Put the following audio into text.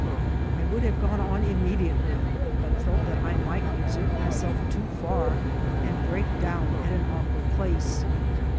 I would have gone on immediately, but felt that I might exert myself too far, and break down at an awkward place.